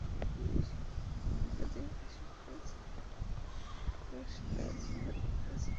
তিনি স্বদেশবাসীর কাছে "রসরাজ" উপাধি পেয়েছিলেন।